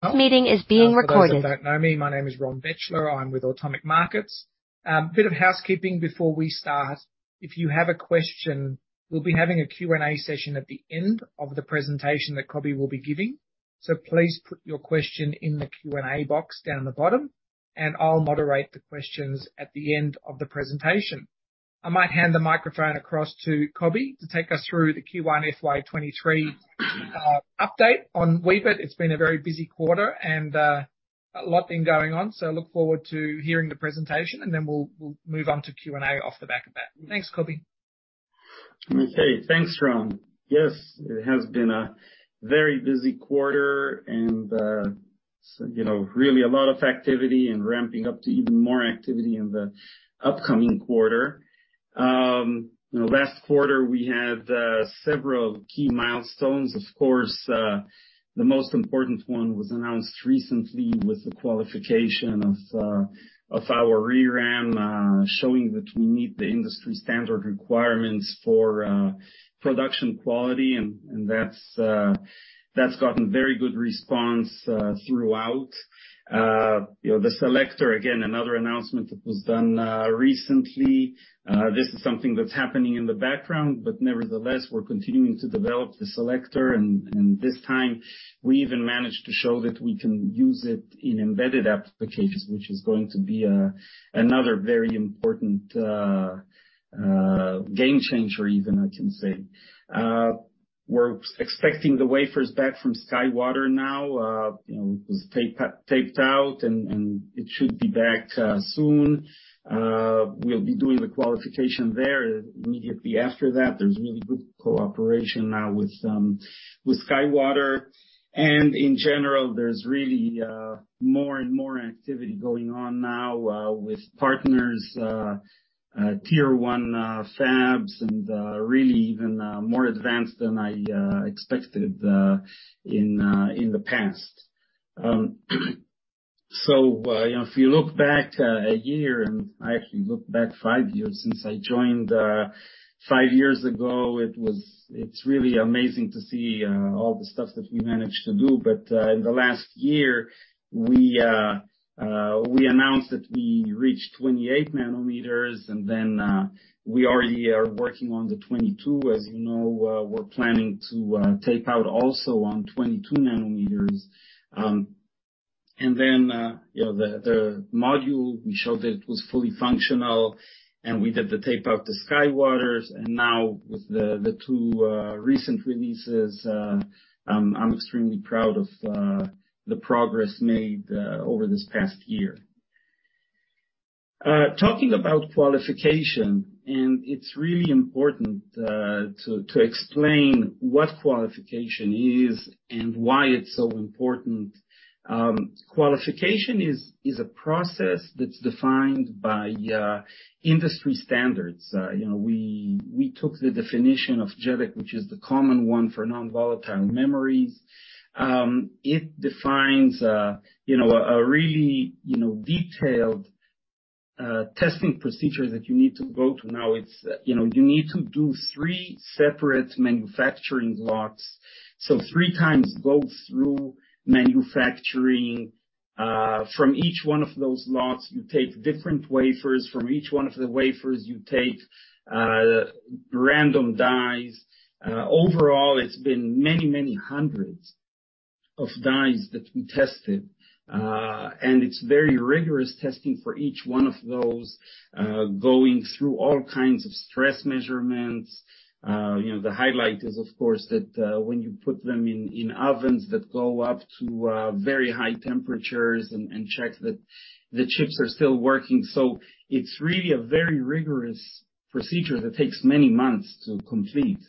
This meeting is being recorded. For those that don't know me, my name is Ronn Bechler. I'm with Atomic Markets. A bit of housekeeping before we start. If you have a question, we'll be having a Q&A session at the end of the presentation that Coby will be giving. Please put your question in the Q&A box down the bottom, and I'll moderate the questions at the end of the presentation. I might hand the microphone across to Coby to take us through the Q1 FY 2023 update on Weebit. It's been a very busy quarter and a lot been going on. Look forward to hearing the presentation, and then we'll move on to Q&A off the back of that. Thanks, Coby. Okay. Thanks, Ronn. Yes, it has been a very busy quarter and, you know, really a lot of activity and ramping up to even more activity in the upcoming quarter. You know, last quarter, we had several key milestones. Of course, the most important one was announced recently with the qualification of our ReRAM, showing that we meet the industry standard requirements for production quality, and that's gotten very good response throughout. You know, The Selector, again, another announcement that was done recently. This is something that's happening in the background, but nevertheless, we're continuing to develop The Selector. This time, we even managed to show that we can use it in embedded applications, which is going to be another very important game changer even, I can say. We're expecting the wafers back from SkyWater now. You know, it was tape-out, and it should be back soon. We'll be doing the qualification there immediately after that. There's really good cooperation now with SkyWater. In general, there's really more and more activity going on now with partners, Tier 1 fabs, and really even more advanced than I expected in the past. You know, if you look back a year and I actually look back five years since I joined five years ago. It's really amazing to see all the stuff that we managed to do. In the last year, we announced that we reached 28 nm, and then we already are working on the 22 nm. As you know, we're planning to tape out also on 22 nm. Then, you know, the module, we showed that it was fully functional, and we did the tape out to SkyWater. Now with the two recent releases, I'm extremely proud of the progress made over this past year. Talking about qualification, it's really important to explain what qualification is and why it's so important. Qualification is a process that's defined by industry standards. You know, we took the definition of JEDEC, which is the common one for non-volatile memories. It defines, you know, a really, you know, detailed testing procedure that you need to go through now. It's, you know, you need to do three separate manufacturing lots. 3x go through manufacturing. From each one of those lots, you take different wafers. From each one of the wafers, you take random dies. Overall, it's been many hundreds of dies that we tested, and it's very rigorous testing for each one of those, going through all kinds of stress measurements. You know, the highlight is, of course, that when you put them in ovens that go up to very high temperatures and check that the chips are still working. It's really a very rigorous procedure that takes many months to complete,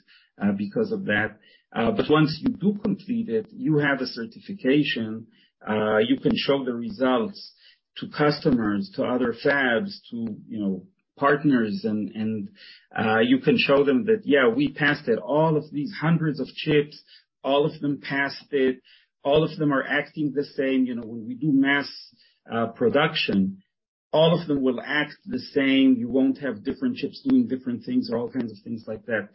because of that. Once you do complete it, you have a certification. You can show the results to customers, to other fabs, to you know, partners and you can show them that, "Yeah, we passed it. All of these hundreds of chips, all of them passed it. All of them are acting the same." You know, when we do mass production, all of them will act the same. You won't have different chips doing different things or all kinds of things like that.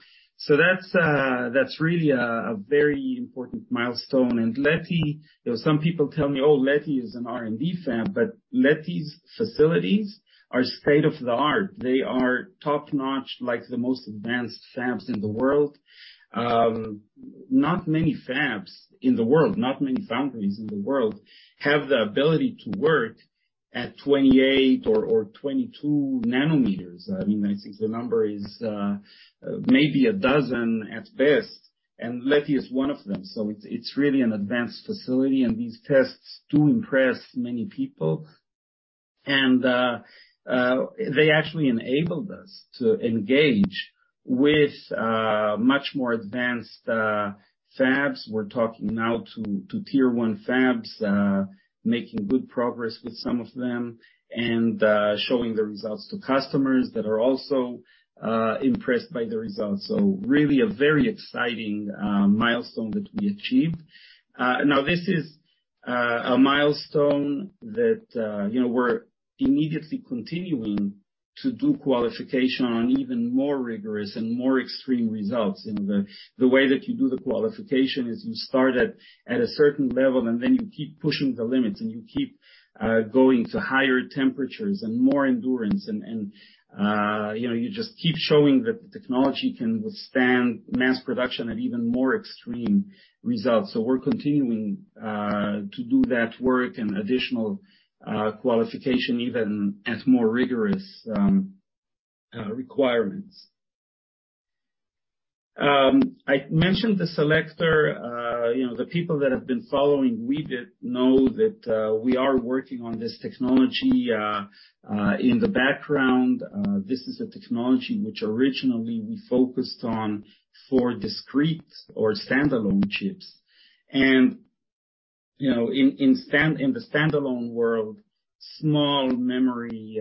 So that's really a very important milestone. Leti, you know, some people tell me, "Oh, Leti is an R&D fab," but Leti's facilities are state-of-the-art. They are top-notch, like the most advanced fabs in the world. Not many fabs in the world, not many foundries in the world have the ability to work at 28 nm or 22 nm. I mean, I think the number is maybe a dozen at best, and Leti is one of them. So it's really an advanced facility, and these tests do impress many people. They actually enabled us to engage with much more advanced fabs. We're talking now to Tier 1 fabs, making good progress with some of them and showing the results to customers that are also impressed by the results. Really a very exciting milestone that we achieved. Now this is a milestone that you know we're immediately continuing to do qualification on even more rigorous and more extreme results. The way that you do the qualification is you start at a certain level, and then you keep pushing the limits, and you keep going to higher temperatures and more endurance. You know you just keep showing that the technology can withstand mass production at even more extreme results. We're continuing to do that work and additional qualification even as more rigorous requirements. I mentioned the selector. You know, the people that have been following Weebit know that we are working on this technology in the background. This is a technology which originally we focused on for discrete or standalone chips. You know, in the standalone world, small memory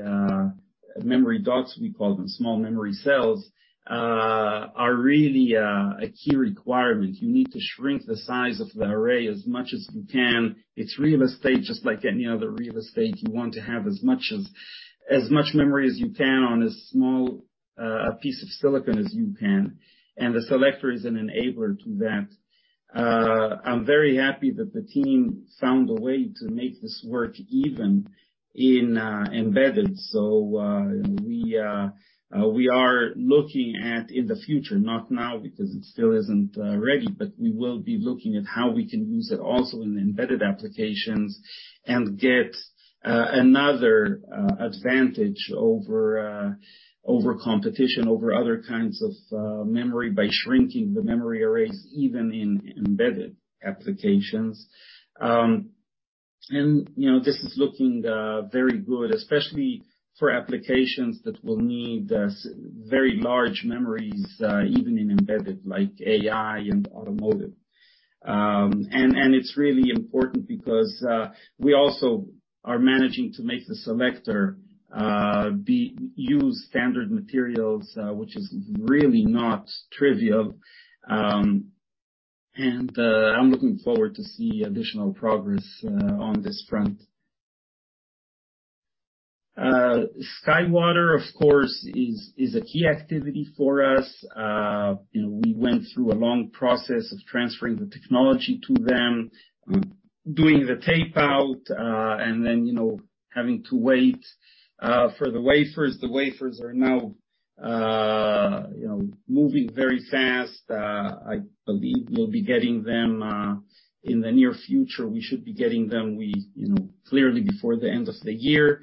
dots we call them, small memory cells are really a key requirement. You need to shrink the size of the array as much as you can. It's real estate, just like any other real estate. You want to have as much memory as you can on as small piece of silicon as you can. The selector is an enabler to that. I'm very happy that the team found a way to make this work even in embedded. We are looking at, in the future, not now, because it still isn't ready, but we will be looking at how we can use it also in embedded applications and get another advantage over competition, over other kinds of memory by shrinking the memory arrays, even in embedded applications. You know, this is looking very good, especially for applications that will need very large memories even in embedded like AI and automotive. It's really important because we also are managing to make the selector use standard materials, which is really not trivial. I'm looking forward to see additional progress on this front. SkyWater, of course, is a key activity for us. You know, we went through a long process of transferring the technology to them, doing the tape-out, and then, you know, having to wait for the wafers. The wafers are now, you know, moving very fast. I believe we'll be getting them in the near future. We should be getting them, you know, clearly before the end of the year.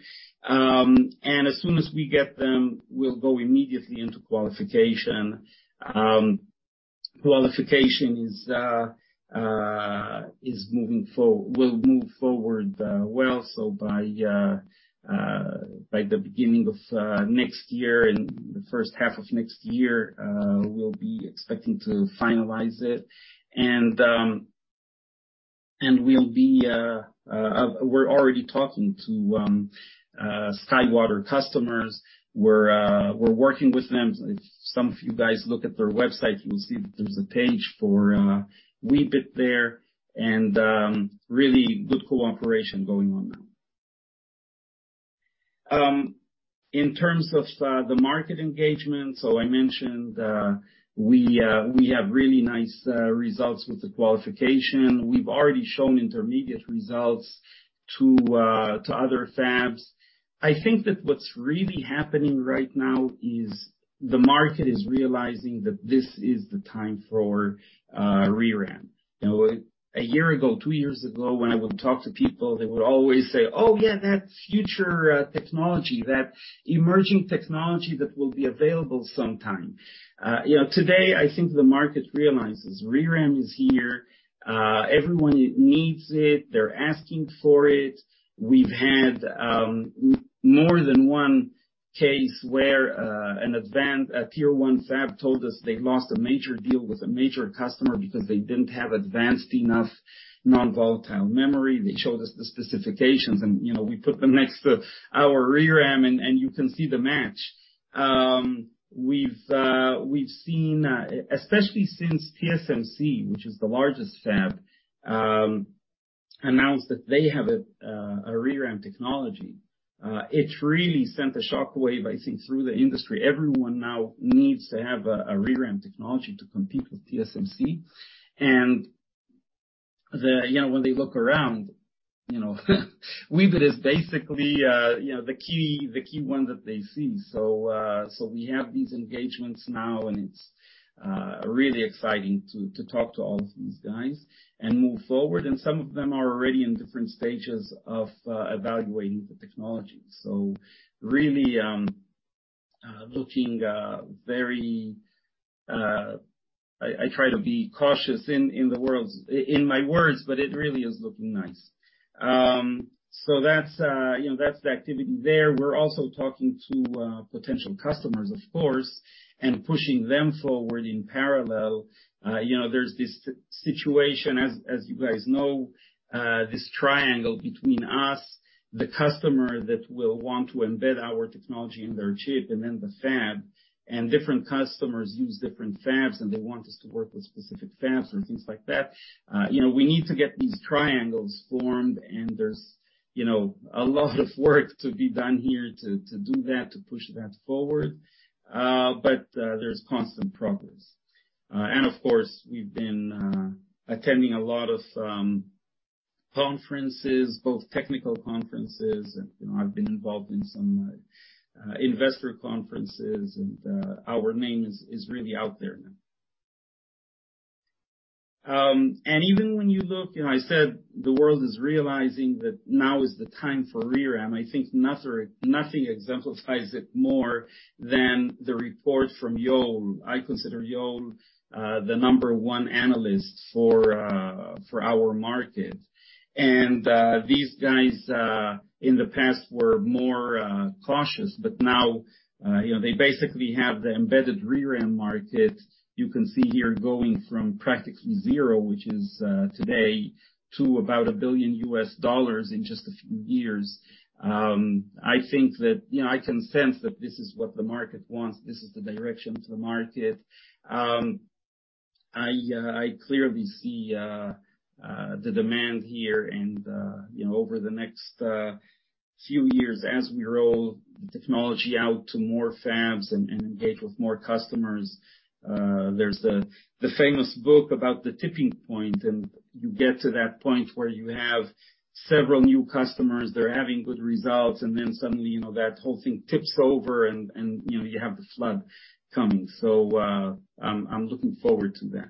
As soon as we get them, we'll go immediately into qualification. Qualification will move forward well, so by the beginning of next year and the first half of next year, we'll be expecting to finalize it. We're already talking to SkyWater customers. We're working with them. If some of you guys look at their website, you will see that there's a page for Weebit there, and really good cooperation going on now. In terms of the market engagement, I mentioned we have really nice results with the qualification. We've already shown intermediate results to other fabs. I think that what's really happening right now is the market is realizing that this is the time for ReRAM. You know, a year ago, two years ago, when I would talk to people, they would always say, "Oh, yeah, that future technology, that emerging technology that will be available sometime." You know, today, I think the market realizes ReRAM is here. Everyone needs it. They're asking for it. We've had more than one case where a Tier 1 fab told us they've lost a major deal with a major customer because they didn't have advanced enough non-volatile memory. They showed us the specifications and, you know, we put them next to our ReRAM and you can see the match. We've seen, especially since TSMC, which is the largest fab, announced that they have a ReRAM technology, it's really sent a shockwave, I think, through the industry. Everyone now needs to have a ReRAM technology to compete with TSMC. You know, when they look around, you know, Weebit is basically, you know, the key one that they see. We have these engagements now, and it's really exciting to talk to all of these guys and move forward. Some of them are already in different stages of evaluating the technology. I try to be cautious in my words, but it really is looking nice. That's, you know, the activity there. We're also talking to potential customers, of course, and pushing them forward in parallel. You know, there's this situation, as you guys know, this triangle between us, the customer that will want to embed our technology in their chip, and then the fab. Different customers use different fabs, and they want us to work with specific fabs and things like that. You know, we need to get these triangles formed, and there's you know, a lot of work to be done here to do that, to push that forward. There's constant progress. Of course, we've been attending a lot of conferences, both technical conferences, and you know, I've been involved in some investor conferences, and our name is really out there now. Even when you look, you know, I said the world is realizing that now is the time for ReRAM. I think nothing exemplifies it more than the report from Yole. I consider Yole the number one analyst for our market. These guys in the past were more cautious, but now you know, they basically have the embedded ReRAM market, you can see here, going from practically zero, which is today, to about $1 billion in just a few years. I think that you know, I can sense that this is what the market wants. This is the direction to the market. I clearly see the demand here and you know, over the next few years, as we roll the technology out to more fabs and engage with more customers. There's the famous book about the tipping point, and you get to that point where you have several new customers, they're having good results, and then suddenly, you know, that whole thing tips over and you know, you have the flood coming. I'm looking forward to that.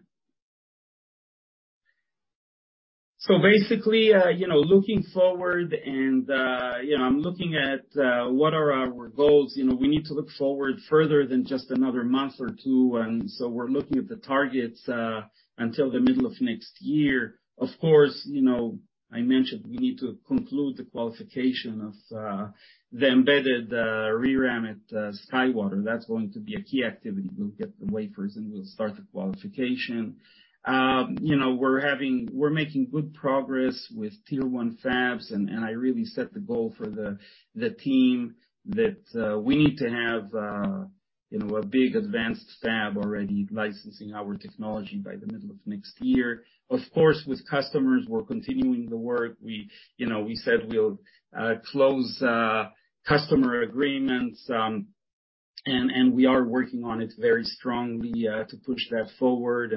Basically, you know, looking forward and you know, I'm looking at what are our goals. You know, we need to look forward further than just another month or two, and so we're looking at the targets until the middle of next year. Of course, you know, I mentioned we need to conclude the qualification of the embedded ReRAM at SkyWater. That's going to be a key activity. We'll get the wafers, and we'll start the qualification. You know, we're having. We're making good progress with Tier 1 fabs. I really set the goal for the team that we need to have, you know, a big advanced fab already licensing our technology by the middle of next year. Of course, with customers, we're continuing the work. You know, we said we'll close customer agreements, and we are working on it very strongly to push that forward.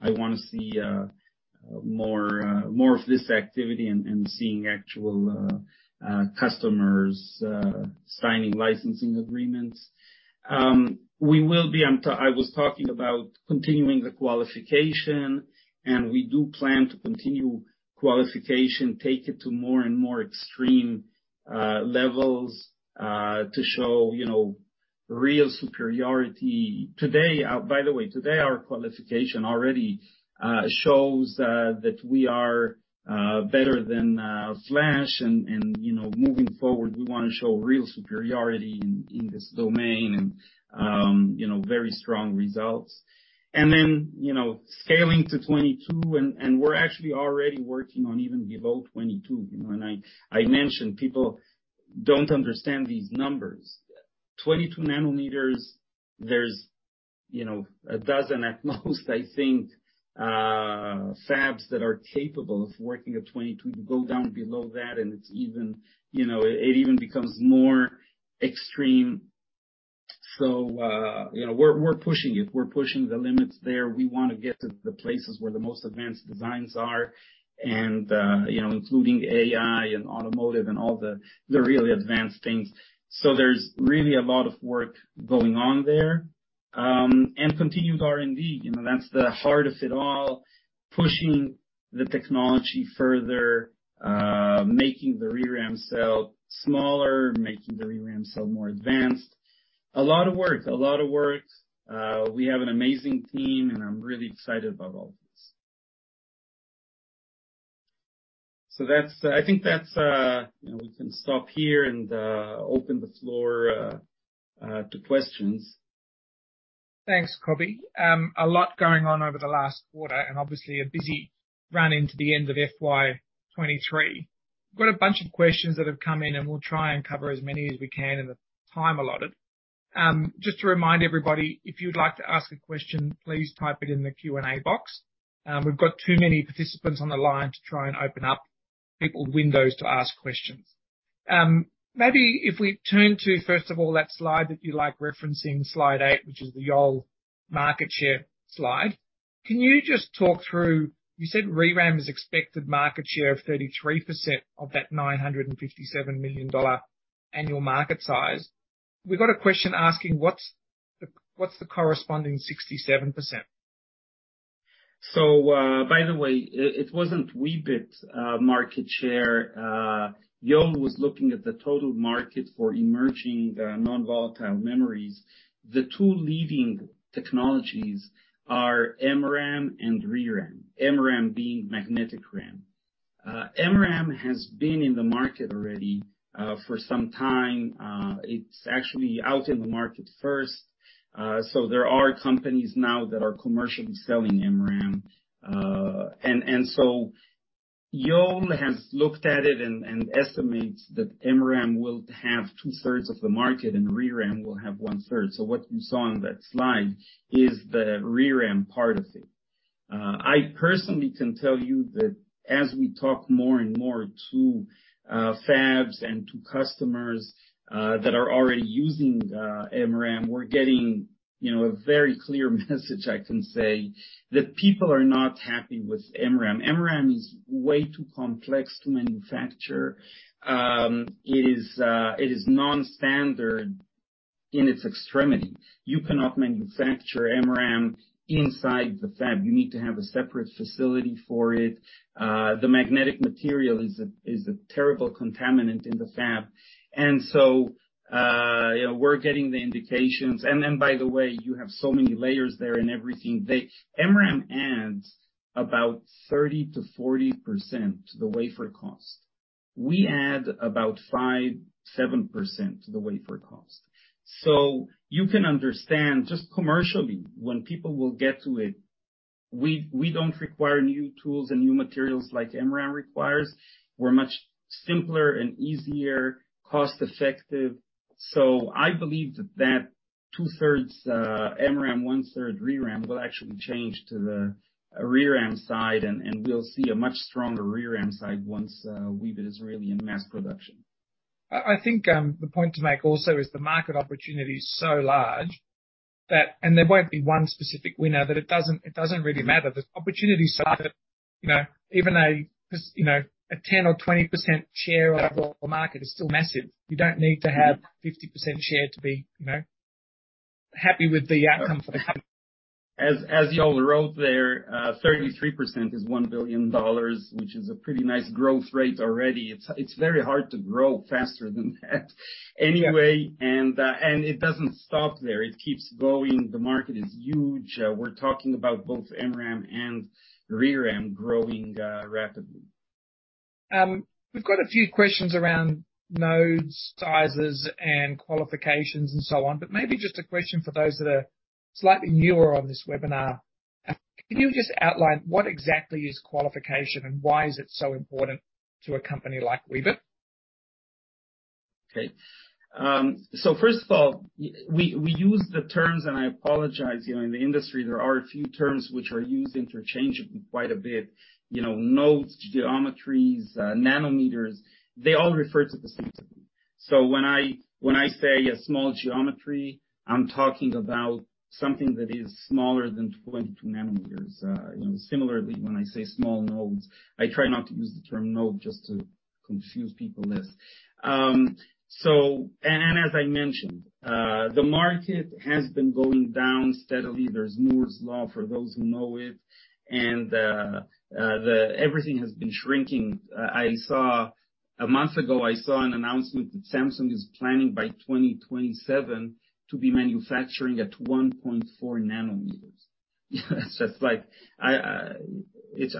I want to see more of this activity and seeing actual customers signing licensing agreements. I was talking about continuing the qualification, and we do plan to continue qualification, take it to more and more extreme levels to show, you know, real superiority. By the way, today our qualification already shows that we are better than Flash, and you know, moving forward, we want to show real superiority in this domain and you know, very strong results. You know, scaling to 22 nm, and we're actually already working on even below 22 nm. You know, I mentioned people don't understand these numbers. 22 nm, there's you know, a dozen at most, I think, fabs that are capable of working at 22 nm. You go down below that, and it's even, you know, it even becomes more extreme. You know, we're pushing it. We're pushing the limits there. We want to get to the places where the most advanced designs are and you know, including AI and automotive and all the really advanced things. There's really a lot of work going on there. Continued R&D. You know, that's the heart of it all, pushing the technology further, making the ReRAM cell smaller, making the ReRAM cell more advanced. A lot of work. We have an amazing team, and I'm really excited about all this. I think that's. You know, we can stop here and open the floor to questions. Thanks, Coby. A lot going on over the last quarter, and obviously a busy run into the end of FY 2023. Got a bunch of questions that have come in, and we'll try and cover as many as we can in the time allotted. Just to remind everybody, if you'd like to ask a question, please type it in the Q&A box. We've got too many participants on the line to try and open up people's windows to ask questions. Maybe if we turn to, first of all, that slide that you like referencing, slide 8, which is the Yole market share slide. Can you just talk through, you said ReRAM is expected market share of 33% of that $957 million annual market size. We got a question asking what's the corresponding 67%. By the way, it wasn't Weebit market share. Yole was looking at the total market for emerging non-volatile memories. The two leading technologies are MRAM and ReRAM, MRAM being Magnetic RAM. MRAM has been in the market already for some time. It's actually out in the market first. There are companies now that are commercially selling MRAM. Yole has looked at it and estimates that MRAM will have 2/3 of the market and ReRAM will have 1/3. What you saw on that slide is the ReRAM part of it. I personally can tell you that as we talk more and more to fabs and to customers that are already using MRAM, we're getting, you know, a very clear message I can say, that people are not happy with MRAM. MRAM is way too complex to manufacture. It is non-standard in its extremity. You cannot manufacture MRAM inside the fab. You need to have a separate facility for it. The magnetic material is a terrible contaminant in the fab. You know, we're getting the indications. By the way, you have so many layers there and everything. MRAM adds about 30%-40% to the wafer cost. We add about 5%-7% to the wafer cost. You can understand, just commercially, when people will get to it, we don't require new tools and new materials like MRAM requires. We're much simpler and easier, cost-effective. I believe that 2/3 MRAM, 1/3 ReRAM will actually change to the ReRAM side, and we'll see a much stronger ReRAM side once Weebit is really in mass production. I think the point to make also is the market opportunity is so large that there won't be one specific winner, that it doesn't really matter. The opportunity is so large that, you know, even just, you know, a 10% or 20% share of the market is still massive. You don't need to have 50% share to be, you know, happy with the outcome for the company. As Yole wrote there, 33% is $1 billion, which is a pretty nice growth rate already. It's very hard to grow faster than that. Anyway, it doesn't stop there. It keeps growing. The market is huge. We're talking about both MRAM and ReRAM growing rapidly. We've got a few questions around nodes, sizes and qualifications and so on, but maybe just a question for those that are slightly newer on this webinar. Can you just outline what exactly is qualification and why is it so important to a company like Weebit? Okay. So first of all, we use the terms, and I apologize, you know, in the industry, there are a few terms which are used interchangeably quite a bit. You know, nodes, geometries, nanometers, they all refer to the same thing. When I say a small geometry, I'm talking about something that is smaller than 22 nm. You know, similarly, when I say small nodes, I try not to use the term node, just to confuse people less. As I mentioned, the market has been going down steadily. There's Moore's Law, for those who know it. Everything has been shrinking. A month ago, I saw an announcement that Samsung is planning by 2027 to be manufacturing at 1.4 nm. That's just like I. It's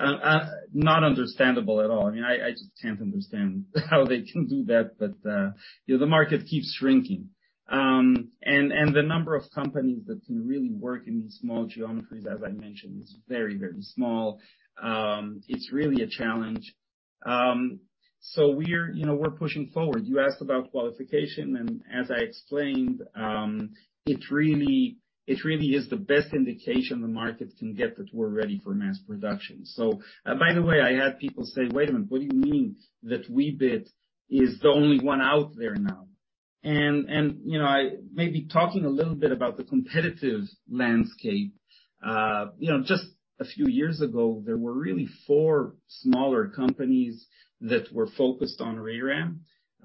not understandable at all. I mean, I just can't understand how they can do that, but you know, the market keeps shrinking. The number of companies that can really work in these small geometries, as I mentioned, is very, very small. It's really a challenge. We're, you know, we're pushing forward. You asked about qualification, and as I explained, it really is the best indication the market can get that we're ready for mass production. By the way, I had people say, "Wait a minute, what do you mean that Weebit is the only one out there now?" You know, I may be talking a little bit about the competitive landscape. You know, just a few years ago, there were really four smaller companies that were focused on ReRAM.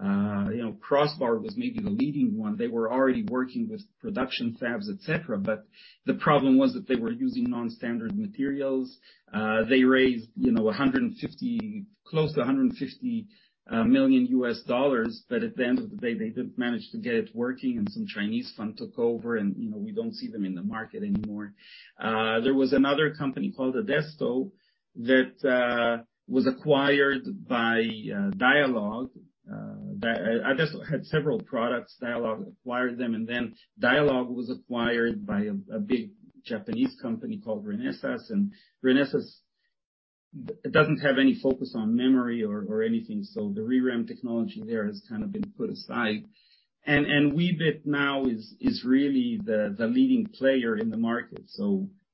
You know, Crossbar was maybe the leading one. They were already working with production fabs, et cetera, but the problem was that they were using non-standard materials. They raised, you know, close to $150 million, but at the end of the day, they didn't manage to get it working and some Chinese firm took over and, you know, we don't see them in the market anymore. There was another company called Adesto that was acquired by Dialog. Adesto had several products, Dialog acquired them, and then Dialog was acquired by a big Japanese company called Renesas. Renesas doesn't have any focus on memory or anything, so the ReRAM technology there has kind of been put aside. Weebit now is really the leading player in the market.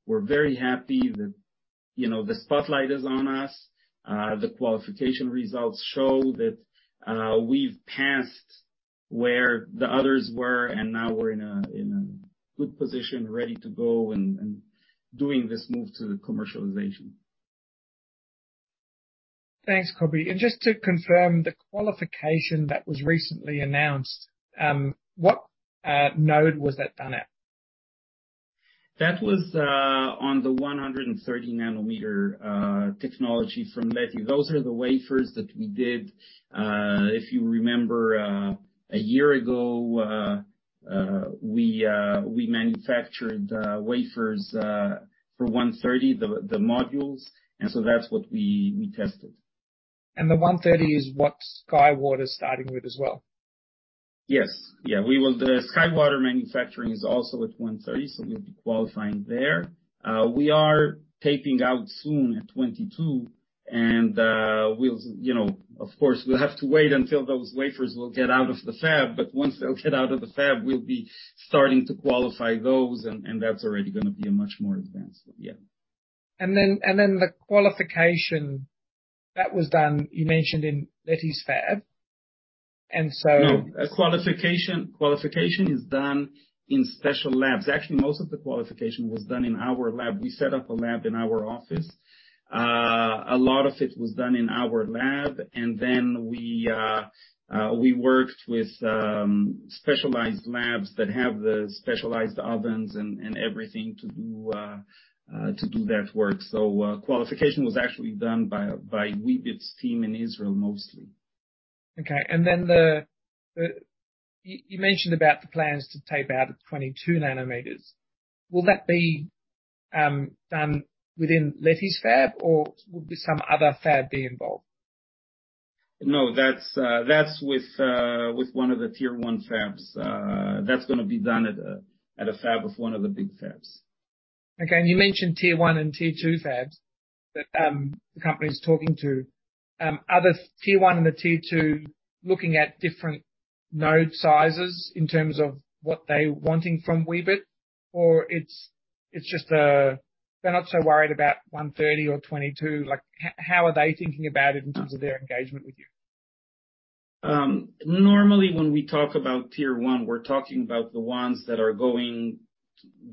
We're very happy that, you know, the spotlight is on us. The qualification results show that we've passed where the others were, and now we're in a good position, ready to go and doing this move to the commercialization. Thanks, Coby. Just to confirm, the qualification that was recently announced, what node was that done at? That was on the 130 nm technology from CEA-Leti. Those are the wafers that we did. If you remember, a year ago we manufactured wafers for 130 nm, the modules, and that's what we tested. The 130 nm is what SkyWater is starting with as well? The SkyWater manufacturing is also at 130 nm, so we'll be qualifying there. We are taping out soon at 22 nm and we'll, you know, of course, we'll have to wait until those wafers will get out of the fab, but once they'll get out of the fab, we'll be starting to qualify those and that's already going to be a much more advanced one. Yeah. That was done, you mentioned, in CEA-Leti's fab. No, qualification is done in special labs. Actually, most of the qualification was done in our lab. We set up a lab in our office. A lot of it was done in our lab, and then we worked with specialized labs that have the specialized ovens and everything to do that work. Qualification was actually done by Weebit's team in Israel mostly. You mentioned the plans to tape out at 22 nm. Will that be done within CEA-Leti's fab, or will some other fab be involved? No, that's with one of the Tier 1 fabs. That's going to be done at a fab with one of the big fabs. Okay. You mentioned Tier 1 and Tier 2 fabs that the company's talking to. Are the Tier 1 and the Tier 2 looking at different node sizes in terms of what they're wanting from Weebit or it's just they're not so worried about 130 nm or 22 nm? Like, how are they thinking about it in terms of their engagement with you? Normally, when we talk about Tier 1, we're talking about the ones that are going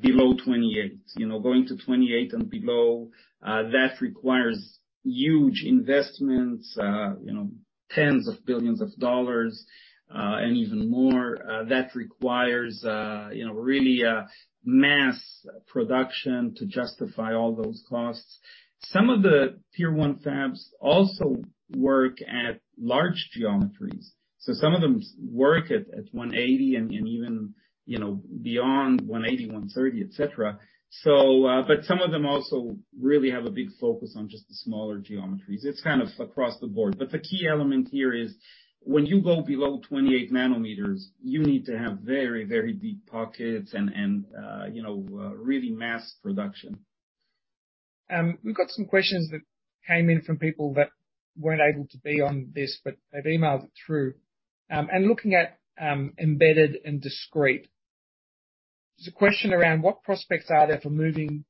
below 28 nm. You know, going to 28 nm and below, that requires huge investments, you know, tens of billions of dollars, and even more. That requires, you know, really mass production to justify all those costs. Some of the Tier 1 fabs also work at large geometries. Some of them work at 180 nm and even beyond 180 nm, 130 nm, etc. Some of them also really have a big focus on just the smaller geometries. It's kind of across the board. The key element here is when you go below 28 nm, you need to have very, very deep pockets and you know really mass production. We've got some questions that came in from people that weren't able to be on this, but they've emailed it through. Looking at embedded and discrete, there's a question around what prospects are there for moving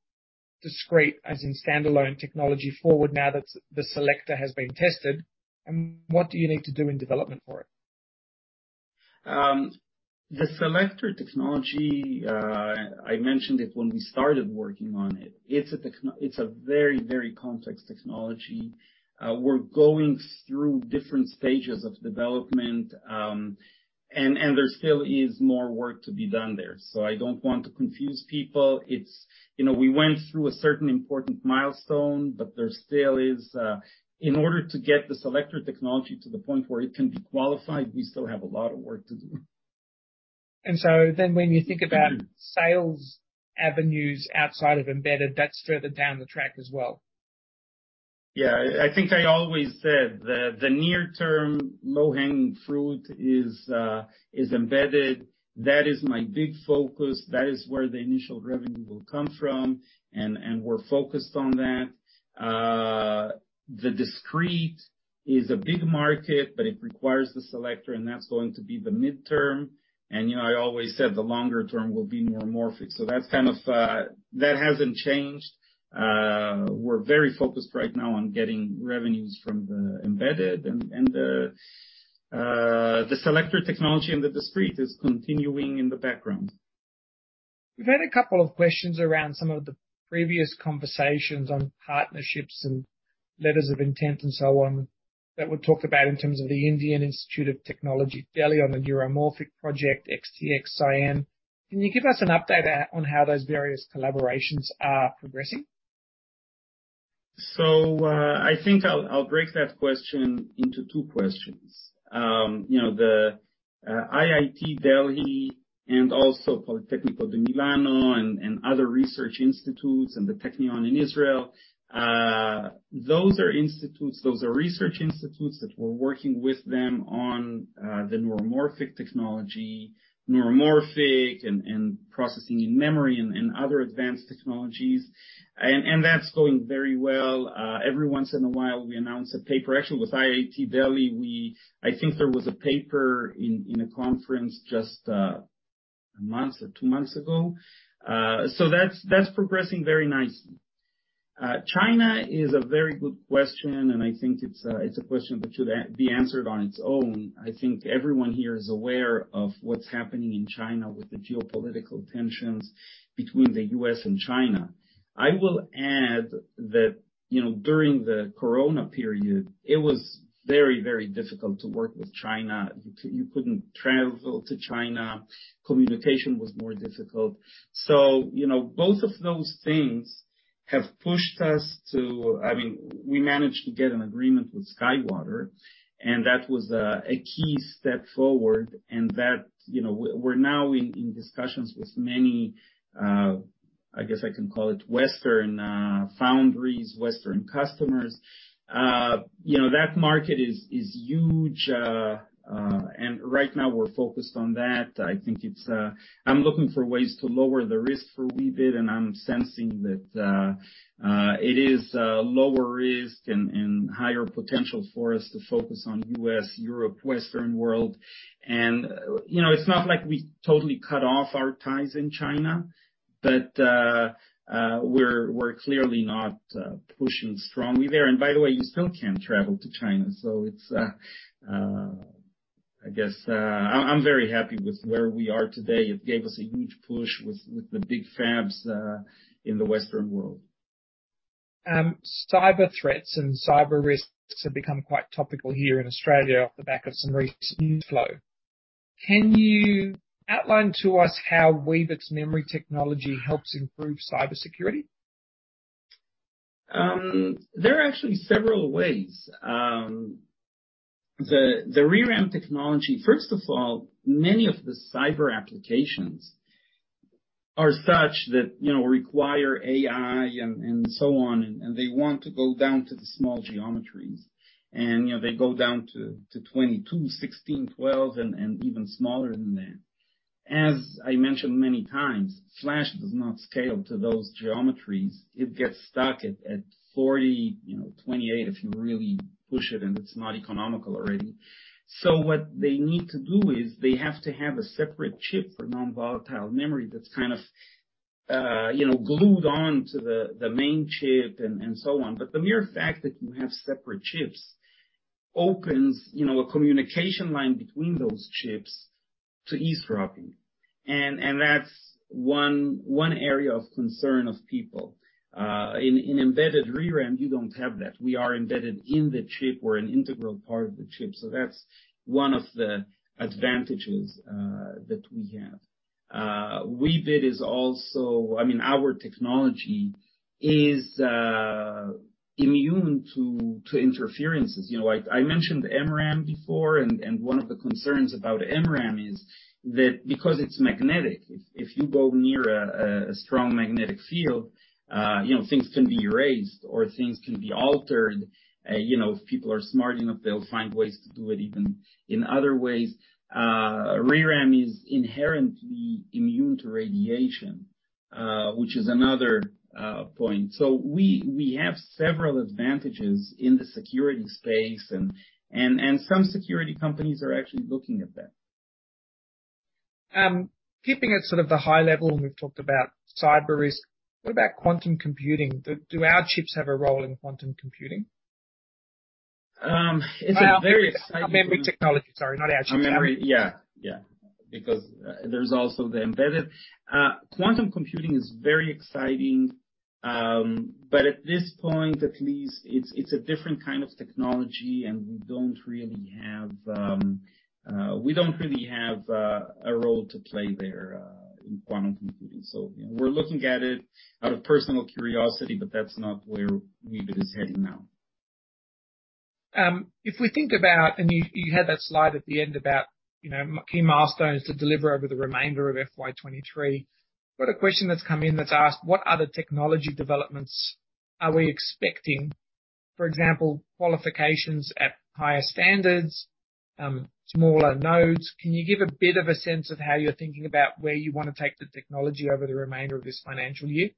discrete, as in standalone technology, forward now that the selector has been tested, and what do you need to do in development for it? The selector technology, I mentioned it when we started working on it. It's a very, very complex technology. We're going through different stages of development, and there still is more work to be done there. I don't want to confuse people. You know, we went through a certain important milestone, but there still is. In order to get the selector technology to the point where it can be qualified, we still have a lot of work to do. When you think about sales avenues outside of embedded, that's further down the track as well. Yeah. I think I always said the near-term low-hanging fruit is embedded. That is my big focus. That is where the initial revenue will come from, and we're focused on that. The discrete is a big market, but it requires the selector, and that's going to be the midterm. You know, I always said the longer-term will be neuromorphic. That's kind of that hasn't changed. We're very focused right now on getting revenues from the embedded and the selector technology in the discrete is continuing in the background. We've had a couple of questions around some of the previous conversations on partnerships and letters of intent and so on that we talked about in terms of the Indian Institute of Technology Delhi on the neuromorphic project, XTX, SiEn. Can you give us an update on how those various collaborations are progressing? I think I'll break that question into two questions. You know, the IIT Delhi and also Politecnico di Milano and other research institutes and the Technion in Israel, those are institutes, those are research institutes that we're working with them on the neuromorphic technology and processing-in-memory and other advanced technologies. That's going very well. Every once in a while, we announce a paper. Actually, with IIT Delhi, I think there was a paper in a conference just a month or two months ago. That's progressing very nicely. China is a very good question, and I think it's a question that should be answered on its own. I think everyone here is aware of what's happening in China with the geopolitical tensions between the U.S. and China. I will add that, you know, during the corona period, it was very, very difficult to work with China. You couldn't travel to China. Communication was more difficult. You know, both of those things have pushed us. I mean, we managed to get an agreement with SkyWater, and that was a key step forward. You know, we're now in discussions with many, I guess I can call it Western, foundries, Western customers. You know, that market is huge. And right now we're focused on that. I'm looking for ways to lower the risk for Weebit, and I'm sensing that it is lower risk and higher potential for us to focus on U.S., Europe, Western world. You know, it's not like we totally cut off our ties in China. We're clearly not pushing strongly there. By the way, you still can't travel to China, so I guess I'm very happy with where we are today. It gave us a huge push with the big fabs in the Western world. Cyber threats and cyber risks have become quite topical here in Australia off the back of some recent news flow. Can you outline to us how Weebit's memory technology helps improve cybersecurity? There are actually several ways. The ReRAM technology, first of all, many of the cyber applications are such that, you know, require AI and so on, and they want to go down to the small geometries. They go down to 22 nm, 16 nm, 12 nm, and even smaller than that. As I mentioned many times, Flash does not scale to those geometries. It gets stuck at 40 nm, you know, 28 nm if you really push it, and it's not economical already. What they need to do is they have to have a separate chip for non-volatile memory that's kind of, you know, glued on to the main chip and so on. The mere fact that you have separate chips opens, you know, a communication line between those chips to eavesdropping. That's one area of concern of people. In embedded ReRAM, you don't have that. We are embedded in the chip. We're an integral part of the chip. That's one of the advantages that we have. Weebit is also. I mean, our technology is immune to interferences. You know, I mentioned MRAM before, and one of the concerns about MRAM is that because it's magnetic, if you go near a strong magnetic field, you know, things can be erased or things can be altered. You know, if people are smart enough, they'll find ways to do it even in other ways. ReRAM is inherently immune to radiation, which is another point. We have several advantages in the security space and some security companies are actually looking at that. Keeping it sort of the high level, and we've talked about cyber risk, what about quantum computing? Do our chips have a role in quantum computing? Our memory technology, sorry, not our chips. Our memory. Yeah. Because there's also the embedded. Quantum computing is very exciting, but at this point, at least, it's a different kind of technology, and we don't really have a role to play there in quantum computing. We're looking at it out of personal curiosity, but that's not where Weebit is heading now. If we think about, you had that slide at the end about, you know, key milestones to deliver over the remainder of FY 2023. Got a question that's come in that's asked, "What other technology developments are we expecting? For example, qualifications at higher standards, smaller nodes." Can you give a bit of a sense of how you're thinking about where you want to take the technology over the remainder of this financial year?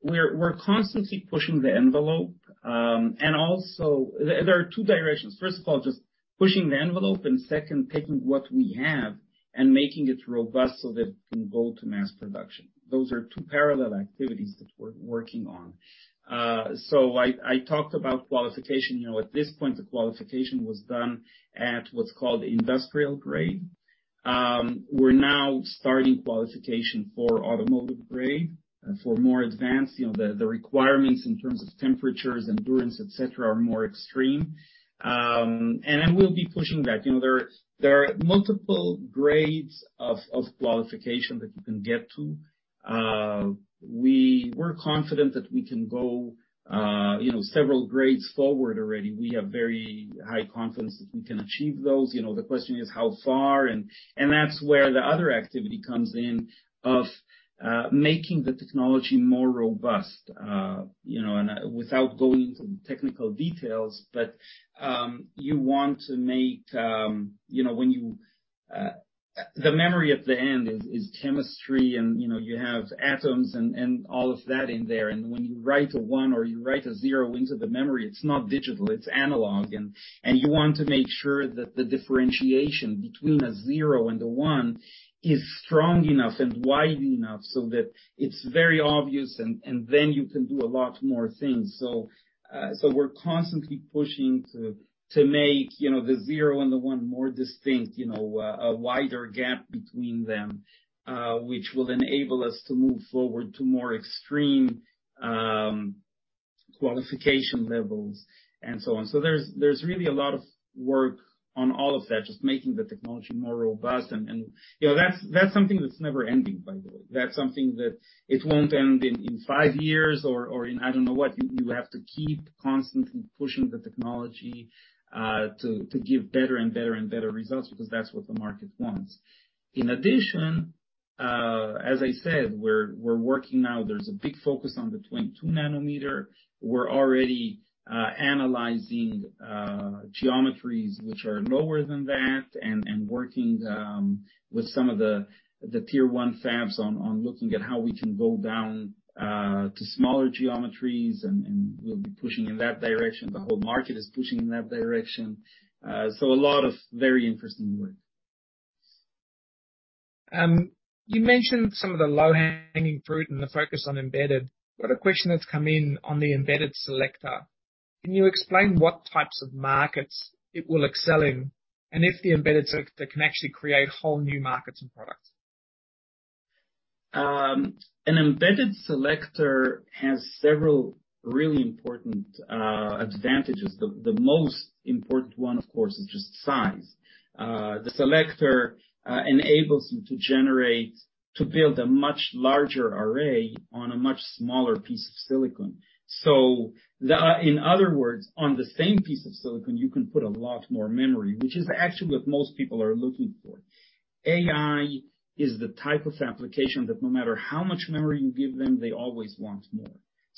We're constantly pushing the envelope, and also. There are two directions. First of all, just pushing the envelope, and second, taking what we have and making it robust so that it can go to mass production. Those are two parallel activities that we're working on. I talked about qualification. You know, at this point, the qualification was done at what's called industrial grade. We're now starting qualification for automotive grade. For more advanced, you know, the requirements in terms of temperatures, endurance, et cetera, are more extreme. We'll be pushing that. You know, there are multiple grades of qualification that you can get to. We're confident that we can go, you know, several grades forward already. We have very high confidence that we can achieve those. You know, the question is how far, and that's where the other activity comes in of making the technology more robust. You know, without going into the technical details. The memory at the end is chemistry, and you know, you have atoms and all of that in there. When you write a one or you write a zero into the memory, it's not digital, it's analog. You want to make sure that the differentiation between a zero and a one is strong enough and wide enough so that it's very obvious, and then you can do a lot more things. We're constantly pushing to make, you know, the zero and the one more distinct, you know, a wider gap between them, which will enable us to move forward to more extreme qualification levels and so on. There's really a lot of work on all of that, just making the technology more robust and, you know, that's something that's never ending, by the way. That's something that it won't end in five years or in, I don't know what. You have to keep constantly pushing the technology to give better and better and better results because that's what the market wants. In addition, as I said, we're working now. There's a big focus on the 22 nm. We're already analyzing geometries which are lower than that and working with some of the Tier 1 fabs on looking at how we can go down to smaller geometries, and we'll be pushing in that direction. The whole market is pushing in that direction. A lot of very interesting work. You mentioned some of the low-hanging fruit and the focus on embedded. Got a question that's come in on the embedded selector. Can you explain what types of markets it will excel in, and if the embedded selector can actually create whole new markets and products? An embedded selector has several really important advantages. The most important one, of course, is just size. The selector enables you to build a much larger array on a much smaller piece of silicon. In other words, on the same piece of silicon, you can put a lot more memory, which is actually what most people are looking for. AI is the type of application that no matter how much memory you give them, they always want more.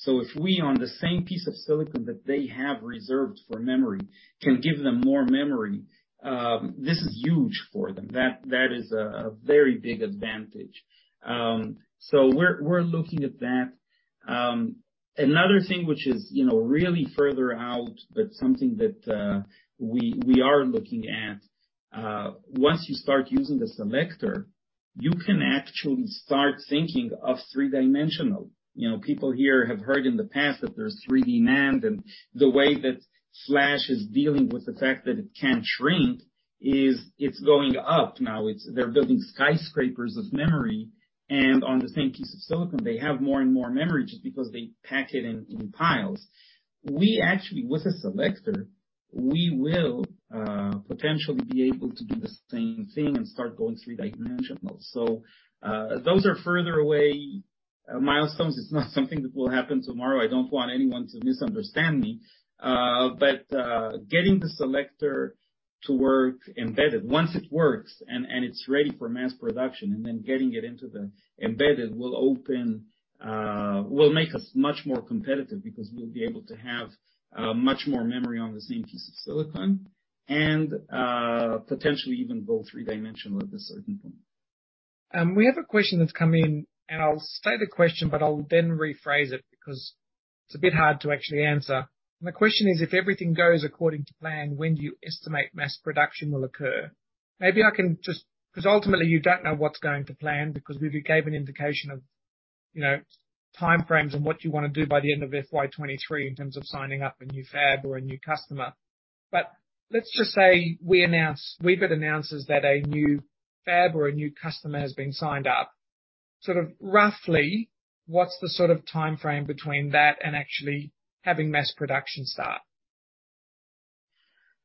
If we, on the same piece of silicon that they have reserved for memory, can give them more memory, this is huge for them. That is a very big advantage. We're looking at that. Another thing which is, you know, really further out, but something that we are looking at, once you start using the selector, you can actually start thinking of three-dimensional. You know, people here have heard in the past that there's 3D NAND, and the way that Flash is dealing with the fact that it can't shrink is it's going up now. They're building skyscrapers of memory, and on the same piece of silicon, they have more and more memory just because they pack it in piles. We actually, with a selector, we will potentially be able to do the same thing and start going three-dimensional. Those are further away milestones. It's not something that will happen tomorrow. I don't want anyone to misunderstand me. Getting the selector to work embedded. Once it works and it's ready for mass production, and then getting it into the embedded will make us much more competitive because we'll be able to have much more memory on the same piece of silicon and potentially even go three-dimensional at a certain point. We have a question that's come in, and I'll state the question, but I'll then rephrase it because it's a bit hard to actually answer. The question is, if everything goes according to plan, when do you estimate mass production will occur? Because ultimately you don't know what's going to plan because we gave an indication of, you know, timeframes and what you want to do by the end of FY 2023 in terms of signing up a new fab or a new customer. Let's just say Weebit announces that a new fab or a new customer has been signed up, sort of roughly, what's the sort of timeframe between that and actually having mass production start?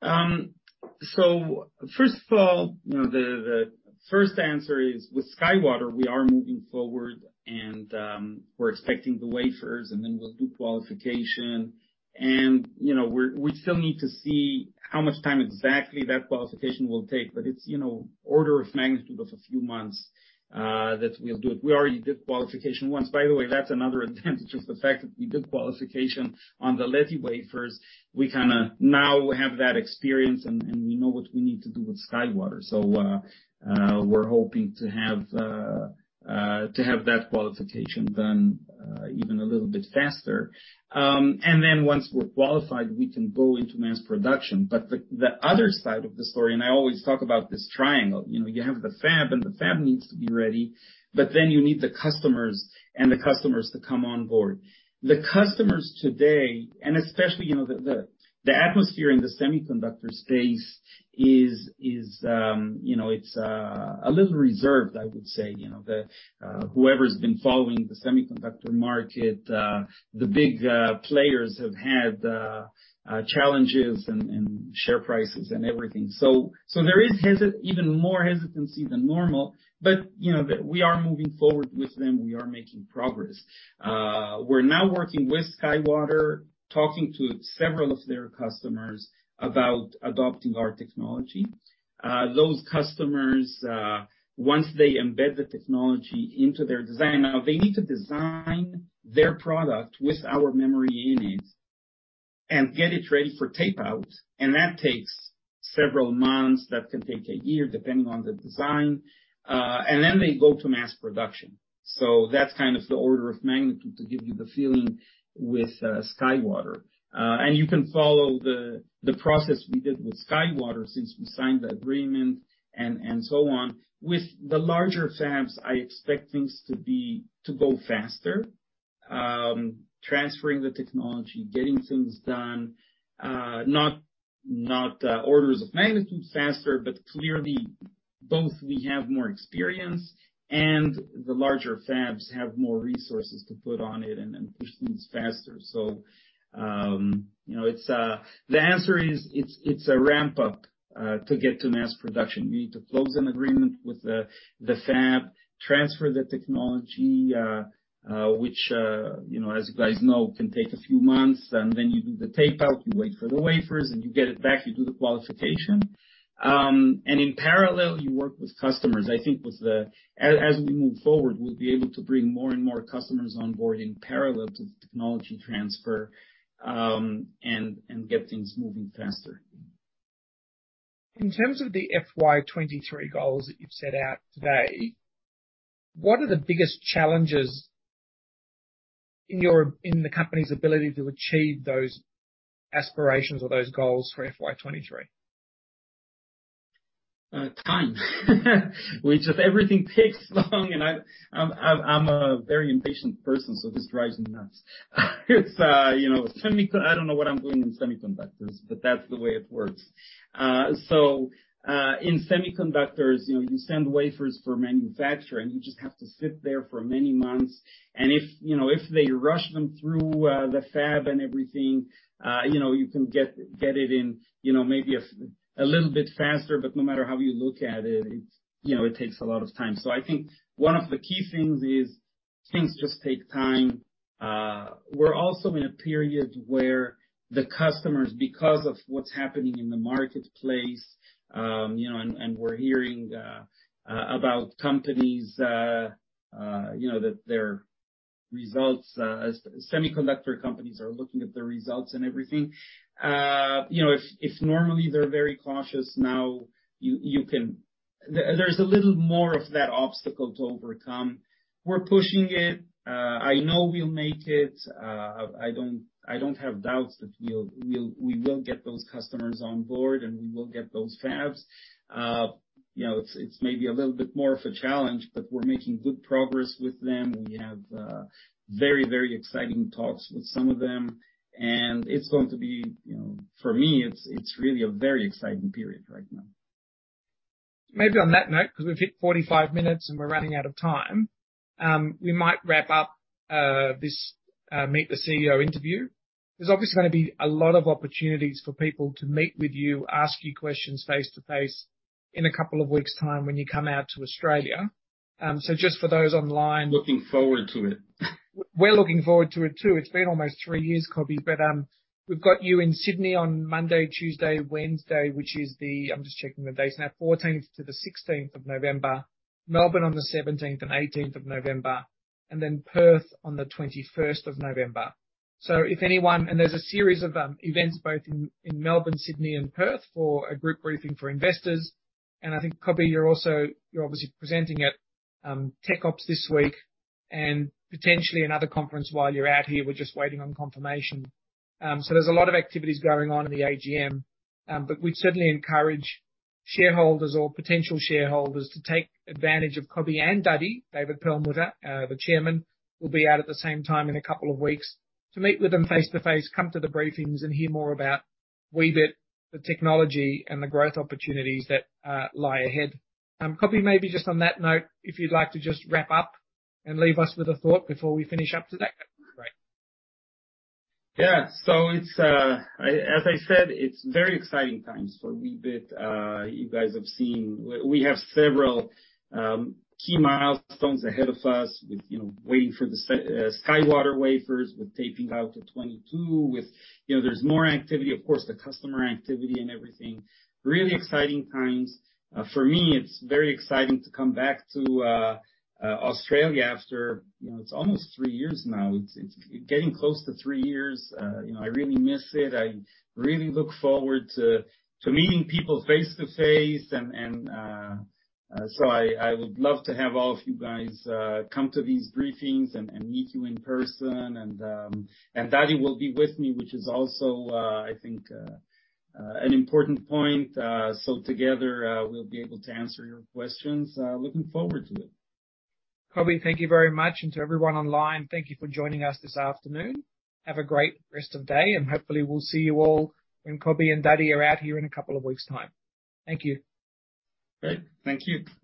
First of all, you know, the first answer is, with SkyWater, we are moving forward and we're expecting the wafers, and then we'll do qualification. You know, we still need to see how much time exactly that qualification will take. It's you know order of magnitude of a few months that we'll do it. We already did qualification once. By the way, that's another advantage of the fact that we did qualification on the Leti wafers. We kind of now have that experience and we know what we need to do with SkyWater. We're hoping to have that qualification done even a little bit faster. Once we're qualified, we can go into mass production. The other side of the story, I always talk about this triangle, you know, you have the fab, and the fab needs to be ready, but then you need the customers and the customers to come on board. The customers today, especially, you know, the atmosphere in the semiconductor space is, you know, it's a little reserved, I would say. You know, whoever's been following the semiconductor market, the big players have had challenges in share prices and everything. There is even more hesitancy than normal. You know, we are moving forward with them. We are making progress. We're now working with SkyWater, talking to several of their customers about adopting our technology. Those customers, once they embed the technology into their design. Now they need to design their product with our memory in it and get it ready for tape-out, and that takes several months. That can take a year, depending on the design. They go to mass production. That's kind of the order of magnitude to give you the feeling with SkyWater. You can follow the process we did with SkyWater since we signed the agreement and so on. With the larger fabs, I expect things to go faster, transferring the technology, getting things done, not orders of magnitude faster, but clearly both we have more experience and the larger fabs have more resources to put on it and push things faster. The answer is, it's a ramp-up to get to mass production. You need to close an agreement with the fab, transfer the technology, which you know, as you guys know, can take a few months. You do the tape-out, you wait for the wafers, and you get it back, you do the qualification. In parallel, you work with customers. As we move forward, we'll be able to bring more and more customers on board in parallel to the technology transfer, and get things moving faster. In terms of the FY 2023 goals that you've set out today, what are the biggest challenges in the company's ability to achieve those aspirations or those goals for FY 2023? Time. Which if everything takes long and I'm a very impatient person, so this drives me nuts. It's, you know, I don't know what I'm doing in semiconductors, but that's the way it works. In semiconductors, you know, you send wafers for manufacturing. You just have to sit there for many months. If, you know, if they rush them through, the fab and everything, you know, you can get it in, you know, maybe a little bit faster. No matter how you look at it's, you know, it takes a lot of time. I think one of the key things is things just take time. We're also in a period where the customers, because of what's happening in the marketplace, you know, and we're hearing about companies, you know, that their results, as semiconductor companies are looking at their results and everything. You know, if normally they're very cautious now. There's a little more of that obstacle to overcome. We're pushing it. I know we'll make it. I don't have doubts that we'll get those customers on board, and we will get those fabs. You know, it's maybe a little bit more of a challenge, but we're making good progress with them. We have very exciting talks with some of them. It's going to be, you know, for me it's really a very exciting period right now. Maybe on that note, because we've hit 45 minutes and we're running out of time, we might wrap up this Meet the CEO interview. There's obviously going to be a lot of opportunities for people to meet with you, ask you questions face-to-face in a couple of weeks time when you come out to Australia. Just for those online- Looking forward to it. We're looking forward to it too. It's been almost three years, Coby. We've got you in Sydney on Monday, Tuesday, Wednesday, which is the 14th to the 16th of November. I'm just checking the dates now [to the November 16th]. Melbourne on the 17th and 18th of November, and then Perth on the 21st of November. There's a series of events both in Melbourne, Sydney and Perth for a group briefing for investors. I think, Coby, you're obviously presenting at Tech Ops this week and potentially another conference while you're out here. We're just waiting on confirmation. There's a lot of activities going on in the AGM. We'd certainly encourage shareholders or potential shareholders to take advantage of Coby and David Perlmutter, the Chairman, will be out at the same time in a couple of weeks to meet with them face to face, come to the briefings and hear more about Weebit, the technology and the growth opportunities that lie ahead. Coby, maybe just on that note, if you'd like to just wrap up and leave us with a thought before we finish up today. Great. Yeah. As I said, it's very exciting times for Weebit. You guys have seen. We have several key milestones ahead of us with, you know, waiting for the SkyWater wafers, with tape-out to 22 nm, you know, there's more activity, of course, the customer activity and everything. Really exciting times. For me, it's very exciting to come back to Australia after, you know, it's almost three years now. It's getting close to three years. You know, I really miss it. I really look forward to meeting people face to face. I would love to have all of you guys come to these briefings and meet you in person. Dadi will be with me, which is also, I think, an important point. Together, we'll be able to answer your questions. Looking forward to it. Coby, thank you very much. To everyone online, thank you for joining us this afternoon. Have a great rest of day, and hopefully we'll see you all when Coby and Dadi are out here in a couple of weeks time. Thank you. Great. Thank you. Bye.